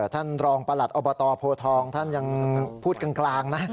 ท่านรองประหลัติอวบตโทษทองยังพูดก่างนะ